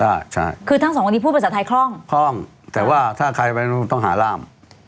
ใช่คือทั้งสองวันนี้พูดภาษาไทยคล่องคล่องแต่ว่าถ้าใครไม่รู้ต้องหาร่าม